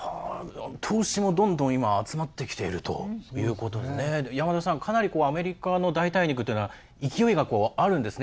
投資もどんどん集まってきているということで山田さん、かなりアメリカの代替肉っていうのは勢いがあるんですね。